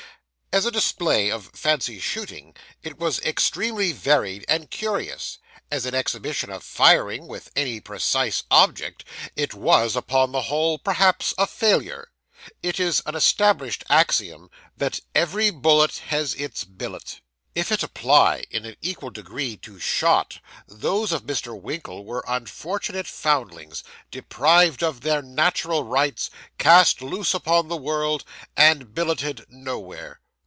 As a display of fancy shooting, it was extremely varied and curious; as an exhibition of firing with any precise object, it was, upon the whole, perhaps a failure. It is an established axiom, that 'every bullet has its billet.' If it apply in an equal degree to shot, those of Mr. Winkle were unfortunate foundlings, deprived of their natural rights, cast loose upon the world, and billeted nowhere.